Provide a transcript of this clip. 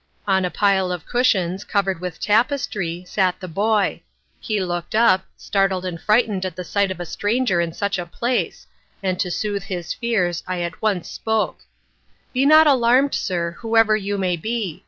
On a pile of cushions, covered with tapestry, sat the boy. He looked up, startled and frightened at the sight of a stranger in such a place, and to soothe his fears, I at once spoke: "Be not alarmed, sir, whoever you may be.